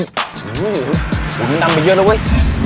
เอกมัย๑๒ค่ะพี่